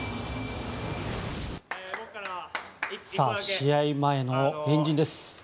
試合前の円陣です。